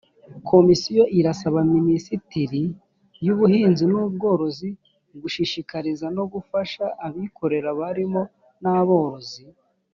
komisiyo irasaba minisiteri y’ubuhinzi n’ubworozi gushishikariza no gufasha abikorera barimo n’aborozi